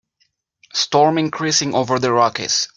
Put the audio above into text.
Storm increasing over the Rockies.